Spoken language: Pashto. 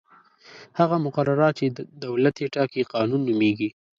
هغه مقررات چې دولت یې ټاکي قانون نومیږي.